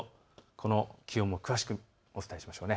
この気温を詳しくお伝えしましょう。